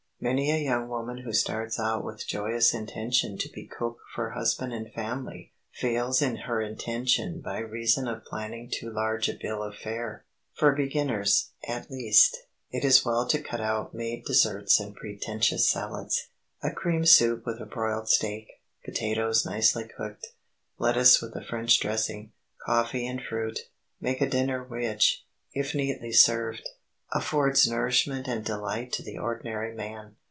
Many a young woman who starts out with joyous intention to be cook for husband and family, fails in her intention by reason of planning too large a bill of fare. For beginners, at least, it is well to cut out made desserts and pretentious salads. A cream soup with a broiled steak, potatoes nicely cooked, lettuce with a French dressing, coffee and fruit, make a dinner which, if neatly served, affords nourishment and delight to the ordinary man.